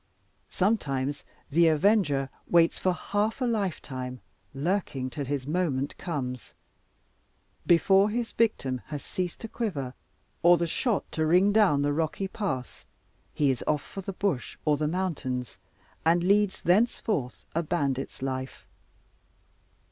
Sometimes the avenger waits for half a lifetime, lurking till his moment comes. Before his victim has ceased to quiver, or the shot to ring down the rocky pass, he is off for the bush or the mountains, and leads thenceforth a bandit's life.